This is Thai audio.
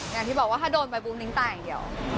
อย่างที่บอกว่าถ้าโดนไปปุ๊บนิ้งตายอย่างเดียว